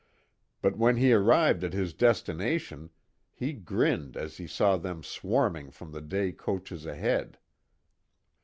But when he arrived at his destination he grinned as he saw them swarming from the day coaches ahead.